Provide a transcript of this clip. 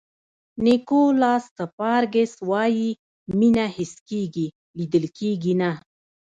نیکولاس سپارکز وایي مینه حس کېږي لیدل کېږي نه.